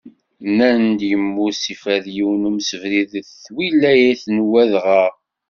Nnan-d yemmut s fad yiwen umsebrid deg twilayt n Wadɣaɣ.